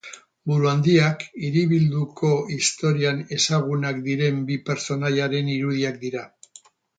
Buruhandiak Hiribilduko historian ezagunak diren bi pertsonaiaren irudiak dira.